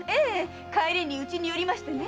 帰りにうちに寄りましてね。